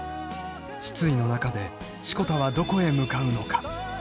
失意の中で志子田はどこへ向かうのか。